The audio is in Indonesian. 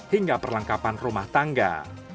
hingga perlengkapan rumah tangga